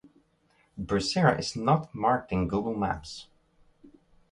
Bursera is not marked in Google maps.